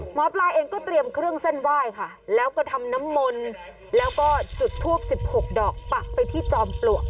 หมอปลาเองก็เตรียมเครื่องเส้นไหว้ค่ะแล้วก็ทำน้ำมนต์แล้วก็จุดทูป๑๖ดอกปักไปที่จอมปลวก